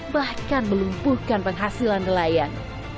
bahkan melumpuhkan penghasilan nelayan